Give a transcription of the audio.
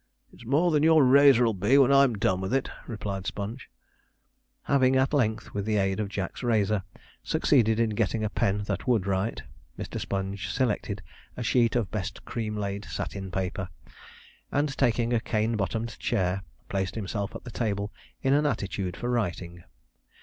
'It's more than your razor 'll be when I'm done with it,' replied Sponge. Having at length, with the aid of Jack's razor, succeeded in getting a pen that would write, Mr. Sponge selected a sheet of best cream laid satin paper, and, taking a cane bottomed chair, placed himself at the table in an attitude for writing.